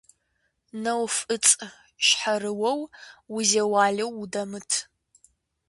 НэуфӀыцӀщхьэрыуэу узеуалэу удэмыт.